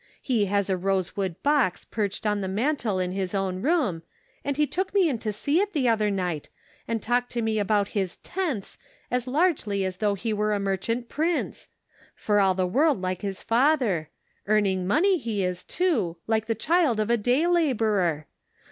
He has a rosewood box perched on the mantle in his own room, and he took me in to see it the other night, and talked to me about his ' tenths ' as largely as though he were a merchant prince ; for all the world like his father ; earning money he is, too, like the child of a day laborer.